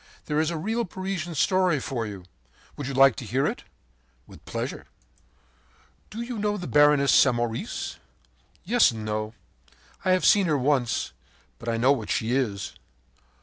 There is a real Parisian story for you! Would you like to hear it?” “With pleasure.” “Do you know the Baroness Samoris?” “Yes and no. I have seen her once, but I know what she is!